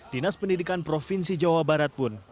dinas pendidikan provinsi jawa barat pun